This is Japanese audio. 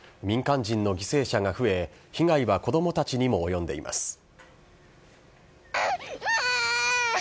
民間人の犠牲者が増え、被害は子どもたちにも及んでいます。